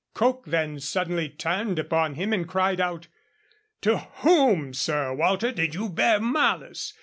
Coke then suddenly turned upon him, and cried out, 'To whom, Sir Walter, did you bear malice?